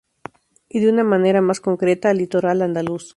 Y de una manera más concreta al litoral andaluz